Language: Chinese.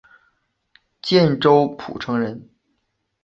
建州浦城人。